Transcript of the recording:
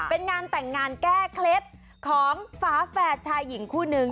เป็นงานแต่งงานแก้เคล็ดของฝาแฝดชายหญิงคู่นึง